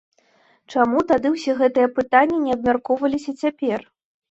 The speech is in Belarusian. Чаму тады ўсе гэтыя пытанні не абмяркоўваліся цяпер?